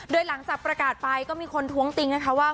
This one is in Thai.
โดยหลังจากประกาศไปก็มีคนท้วงติงนะคะว่า